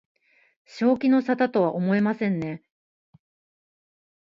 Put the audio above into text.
正気の沙汰とは思えませんね